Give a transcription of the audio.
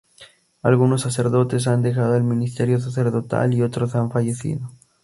Algunos sacerdotes han dejado el ministerio sacerdotal y otros han fallecido.